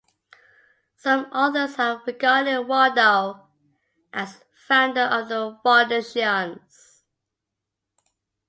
Some authors have regarded Waldo as founder of the Waldensians.